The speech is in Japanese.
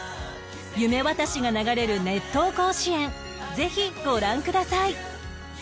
『夢わたし』が流れる『熱闘甲子園』ぜひご覧ください